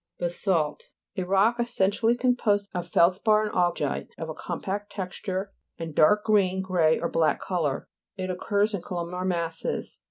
BASA'LT A rock essentially com posed of feldspar, and augite of a compact texture, and dark green, grey or black colour. It occurs in columnar masses.